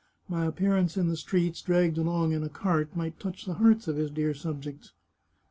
My appearance in the streets, dragged along in a cart, might touch the hearts of his dear subjects